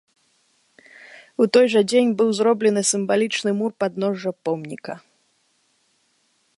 У той жа дзень быў зроблены сімвалічны мур падножжа помніка.